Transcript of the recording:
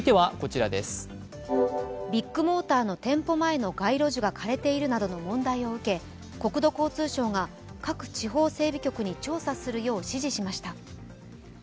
ビッグモーターの街路樹が枯れていることを受け国土交通省が各地方整備局に調査するよう指示しました。